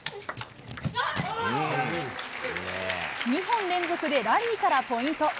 ２本連続でラリーからポイント。